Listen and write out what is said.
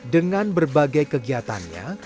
dengan berbagai kegiatannya